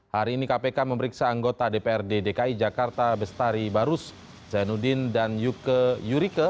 hari ini kpk memeriksa anggota dprd dki jakarta bestari barus zainuddin dan yurike